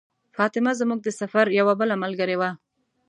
فاطمه زموږ د سفر یوه بله ملګرې وه.